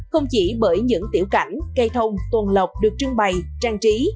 không chỉ bởi những tiểu cảnh cây thông tuần lọc được trưng bày trang trí